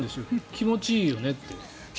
気持ちいいよねって。